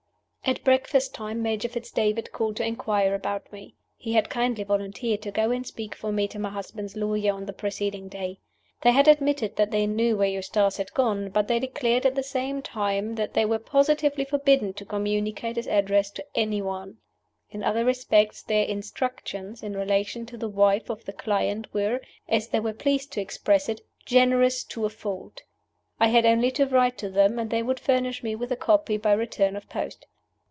At breakfast time Major Fitz David called to inquire about me. He had kindly volunteered to go and speak for me to my husband's lawyers on the preceding day. They had admitted that they knew where Eustace had gone, but they declared at the same time that they were positively forbidden to communicate his address to any one. In other respects their "instructions" in relation to the wife of their client were (as they were pleased to express it) "generous to a fault." I had only to write to them, and they would furnish me with a copy by return of post.